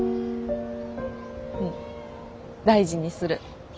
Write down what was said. うん大事にする。